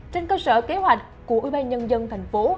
trên cơ sở kế hoạch của ủy ban nhân dân thành phố